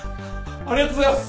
ありがとうございます。